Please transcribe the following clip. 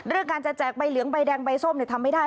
การจะแจกใบเหลืองใบแดงใบส้มทำไม่ได้